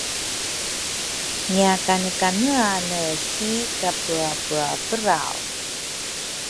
ngiakanekaneane si kapeapeaperaw